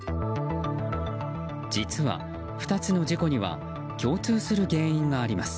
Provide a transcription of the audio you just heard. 実は、２つの事故には共通する原因があります。